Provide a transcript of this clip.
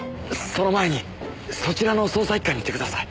その前にそちらの捜査一課にいてください。